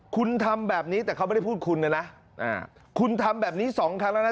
คุณทำแบบนี้แต่เขาไม่ได้พูดคุณนะคุณทำแบบนี้สองครั้งแล้วนะ